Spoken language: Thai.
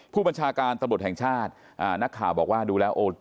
ผู้บัญชาการตำรวจแห่งชาตินักข่าวบอกว่าดูแล้วโอ้